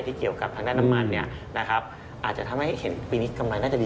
ที่เกี่ยวกับทางด้านน้ำมันอาจจะทำให้เห็นปีนี้กำไรน่าจะดีกว่านั้น